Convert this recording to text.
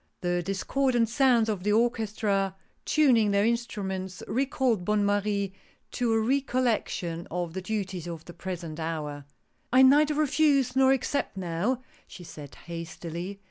The discordant sounds of the orchestra tuning their instruments recalled Bonne Marie to a recollection of the duties of the present hour. " I neither refuse nor accept now," she said, hastily.